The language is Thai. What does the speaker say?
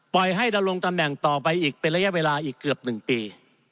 ให้ดำรงตำแหน่งต่อไปอีกเป็นระยะเวลาอีกเกือบ๑ปี